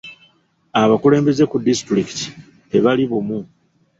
Abakulembeze ku disitulikiti tebali bumu.